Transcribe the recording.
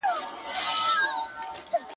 سوځولې مې وعدې د ملاقات دي